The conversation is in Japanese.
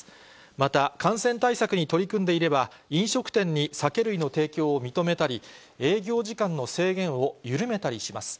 また感染対策に取り組んでいれば、飲食店に酒類の提供を認めたり、営業時間の制限を緩めたりします。